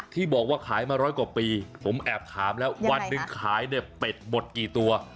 ที่บอกว่าขายมาร้อยกว่าปีผมแอบถามแล้ววันหนึ่งขายเนี่ยเป็ดหมดกี่ตัว